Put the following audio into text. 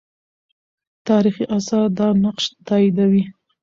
تاریخي آثار دا نقش تاییدوي.